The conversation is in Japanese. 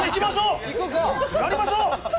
やりましょう！